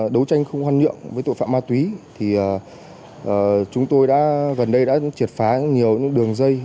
đối tranh không hoan nhượng với tội phạm ma túy chúng tôi gần đây đã triệt phá nhiều đường dây